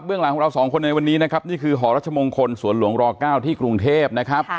หลังของเราสองคนในวันนี้นะครับนี่คือหอรัชมงคลสวนหลวงร๙ที่กรุงเทพนะครับ